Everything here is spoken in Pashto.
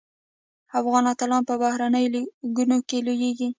افغان اتلان په بهرنیو لیګونو کې لوبیږي.